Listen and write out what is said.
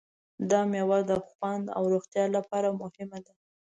دا مېوه د خوند او روغتیا لپاره مهمه ده.